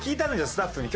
スタッフに。